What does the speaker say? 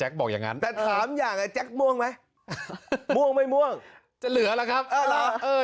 แปลว่าอะไร